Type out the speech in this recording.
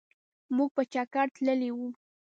مونږ په چکرتللي وو.